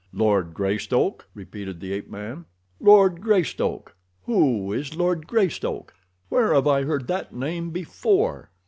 "Lord Greystoke!" repeated the ape man. "Lord Greystoke! Who is Lord Greystoke? Where have I heard that name before?"